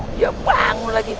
dia bangun lagi